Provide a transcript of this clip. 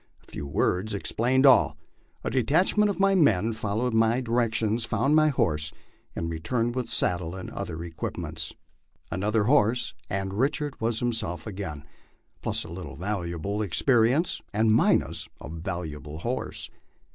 A few words explained all. A detachment of my men, following my direction, found my horse and returned with the saddle and other equipments. Another horse, and Richard was him self again, plus a little valuable experience, and minus a valuable horse.